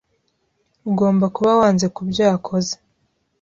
Ugomba kuba wanze kubyo yakoze.